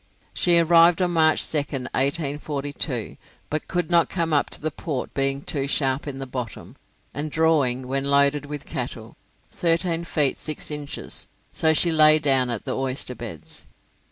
She arrived on March 2nd, 1842, but could not come up to the Port being too sharp in the bottom, and drawing (when loaded with cattle) thirteen feet six inches, so she lay down at the Oyster Beds.